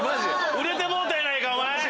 売れてもうたやないか！